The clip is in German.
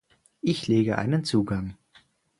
Ich lege einen Zugang.